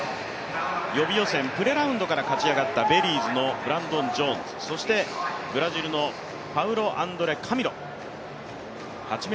予備予選プレラウンドから勝ち上がったベリーズのブランドン・ジョーンズ、そしてブラジルのパウロアンドレ・カミロ。